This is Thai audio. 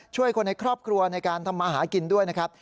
ช่วยคนในครอบครัวในการทำมาหากินด้วยนะครับ